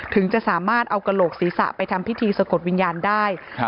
ถึงจะสามารถเอากระโหลกศีรษะไปทำพิธีสะกดวิญญาณได้ครับ